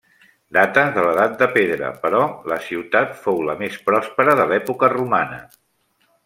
Data de l'Edat de Pedra, però la ciutat fou la més pròspera de l'època romana.